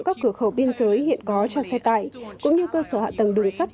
các cửa khẩu biên giới hiện có cho xe tải cũng như cơ sở hạ tầng đường sắt